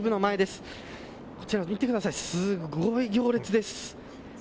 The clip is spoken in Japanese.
すごい行列です。